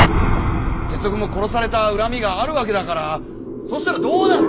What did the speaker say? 徹生君も殺された恨みがあるわけだからそしたらどうなる？